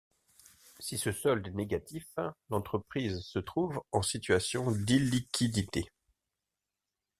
Si ce solde est négatif, l'entreprise se trouve en situation d'illiquidité.